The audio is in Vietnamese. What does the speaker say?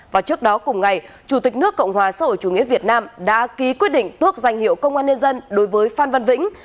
và trước đó cùng ngày chủ tịch nước cộng hòa xã hội chủ nghĩa việt nam đã ký quyết định tước danh hiệu công an nhân dân đối với phan văn vĩnh